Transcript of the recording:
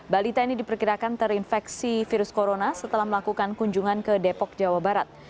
balita ini diperkirakan terinfeksi virus corona setelah melakukan kunjungan ke depok jawa barat